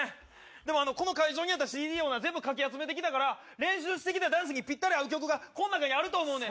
でもこの会場にあったＣＤを全部かき集めてきたから、練習してきたダンスにぴったり合う曲がこの中にあると思うねん。